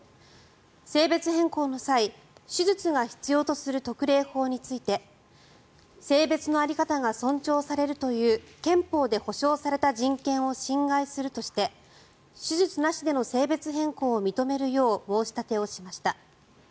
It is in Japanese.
性別変更の際手術が必要とする特例法について性別の在り方が尊重されるという憲法で保障された人権を侵害するとして手術なしでの性別変更を認めるよう申し立てをしました。